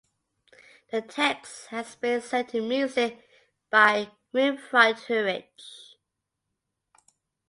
The text has been set to music by Winfried Heurich.